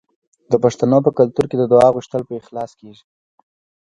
د پښتنو په کلتور کې د دعا غوښتل په اخلاص کیږي.